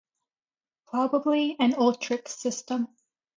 Probably an Ultrix system.